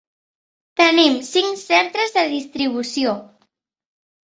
Tenim cinc centres de distribució.